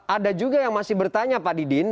ada juga yang masih bertanya pak didin